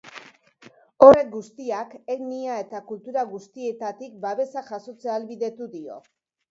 Horrek guztiak etnia eta kultura guztietatik babesak jasotzea ahalbidetu dio.